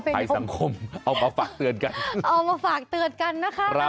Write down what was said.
ภัยสังคมเอามาฝากเตือนกันเอามาฝากเตือนกันนะคะ